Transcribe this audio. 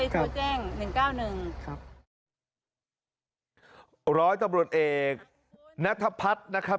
ก็เลยโทรแจ้งหนึ่งเก้าหนึ่งครับ